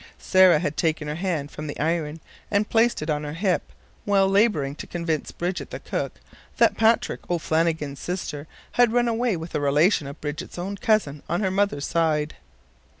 Sarah had taken her hand from the iron and placed it on her hip, while laboring to convince Bridget, the cook, that Patrick O'Flannigan's sister had run away with a relation of Bridget's own cousin on her mother's side.